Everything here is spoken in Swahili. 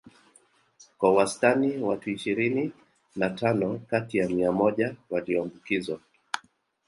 Kwa wastani watu ishirini na tano kati ya mia moja walioambukizwa